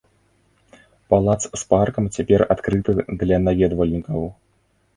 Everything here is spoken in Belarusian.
Палац з паркам цяпер адкрыты для наведвальнікаў.